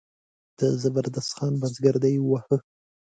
د زبردست خان بزګر دی وواهه.